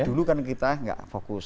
dulu kan kita nggak fokus